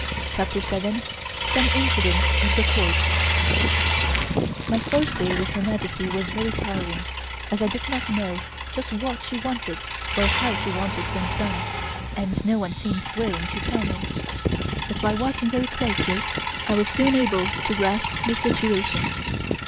CHAPTER SEVEN SOME INCIDENTS OF THE COURT MY first day with Her Majesty was very trying as I did not know just what she wanted or how she wanted things done, and no one seemed willing to tell me; but by watching very closely I was soon able to grasp the situation.